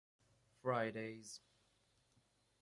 Fridays.